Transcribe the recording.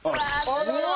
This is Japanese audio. あらら！